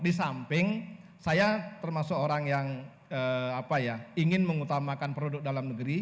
di samping saya termasuk orang yang ingin mengutamakan produk dalam negeri